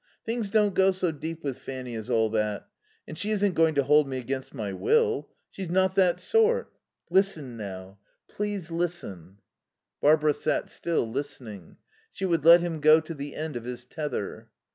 Things don't go so deep with Fanny as all that.... And she isn't going to hold me against my will. She's not that sort.... Listen, now. Please listen." Barbara sat still, listening. She would let him go to the end of his tether.